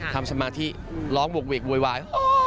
ทำสมาธิร้องบวกวิกววยวาย